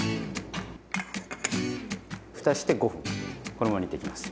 ふたして５分このまま煮ていきます。